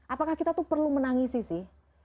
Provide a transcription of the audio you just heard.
apakah kita tuh perlu menangisi sih